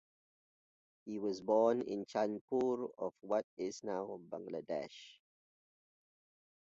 He was born in Chandpur of what is now Bangladesh.